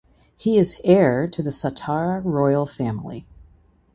He is heir to the Satara royal family.